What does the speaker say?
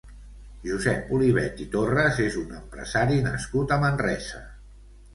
Josep Olivet i Torras és un empresari nascut a Manresa.